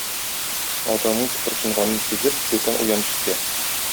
Атының тыпырчынганын сизеп, Дутан уянып китә.